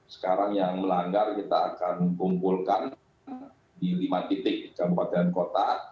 sekarang yang melanggar kita akan kumpulkan di lima titik kabupaten kota